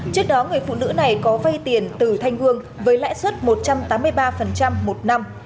trước đó người phụ nữ này có vay tiền từ thanh hương với lãi suất một trăm tám mươi ba một năm